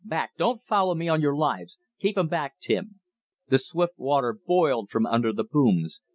back! Don't follow me, on your lives! Keep 'em back, Tim!" The swift water boiled from under the booms.